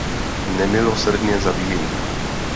Nemilosrdně zabíjejí.